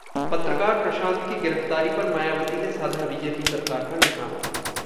पत्रकार प्रशांत की गिरफ्तारी पर मायावती ने साधा बीजेपी सरकार पर निशाना